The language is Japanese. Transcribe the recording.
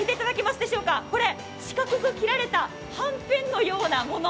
これ四角く切られたはんぺんのようなもの。